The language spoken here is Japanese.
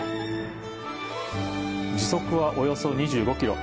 時速は、およそ２５キロ。